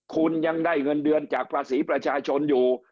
คุณยังได้เงินเดือนจากภาษีประชาชนอยู่